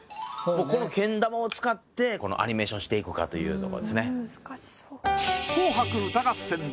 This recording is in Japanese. このけん玉を使ってアニメーションしていくかというとこですね。